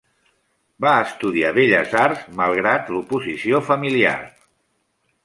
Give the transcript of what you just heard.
Va estudiar Belles Arts a pesar de l'oposició familiar.